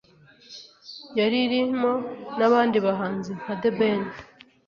yari irimo n’abandi bahanzi nka The Ben